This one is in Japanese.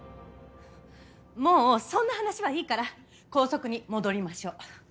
もうそんな話はいいから校則に戻りましょう。